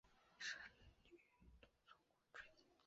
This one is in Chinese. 生于土佐国吹井村。